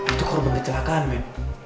itu korban kecelakaan men